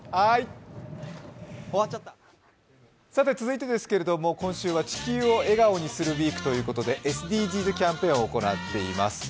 続いてですけど、今週は「地球を笑顔にするＷＥＥＫ」ということでＳＤＧｓキャンペーンを行っています。